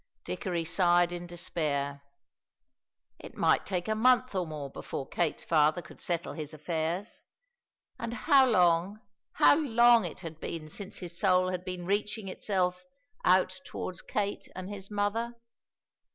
Dickory sighed in despair. It might take a month or more before Kate's father could settle his affairs, and how long, how long it had been since his soul had been reaching itself out towards Kate and his mother!